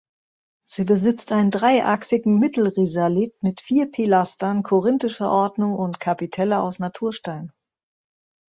Sie besitzt einen dreiachsigen Mittelrisalit mit vier Pilastern korinthischer Ordnung und Kapitelle aus Naturstein.